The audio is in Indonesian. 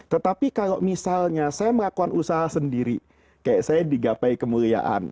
tetapi kalau misalnya saya melakukan usaha sendiri kayak saya digapai kemuliaan